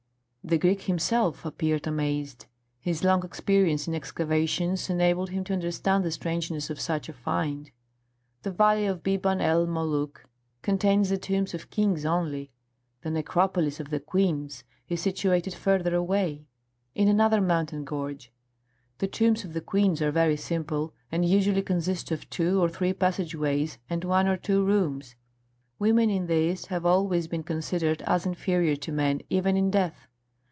The Greek himself appeared amazed. His long experience in excavations enabled him to understand the strangeness of such a find. The valley of Biban el Molûk contains the tombs of kings only: the necropolis of the queens is situated farther away, in another mountain gorge. The tombs of the queens are very simple, and usually consist of two or three passage ways and one or two rooms. Women in the East have always been considered as inferior to men, even in death.